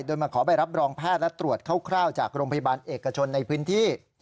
โดยมาขอใบรับรองแพทย์และตรวจคร่าวจากโรงพยาบาลเอกชนในพื้นที่